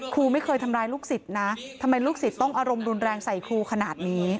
ครูไม่เคยทำร้ายลูกศิษย์นะทำไมลูกศิษย์ต้องอารมณ์รุนแรงใส่ครูขนาดนี้